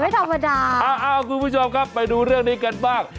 ธรรมดาคุณผู้ชมครับไปดูเรื่องนี้กันบ้าง